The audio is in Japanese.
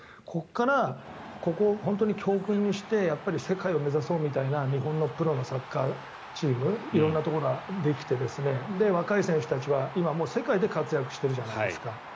ここから本当に教訓にして世界を目指そうみたいな日本のプロのサッカーチーム色んなところができて若い選手は今、世界で活躍してるじゃないですか。